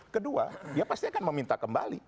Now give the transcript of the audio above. kedua dia pasti akan meminta kembali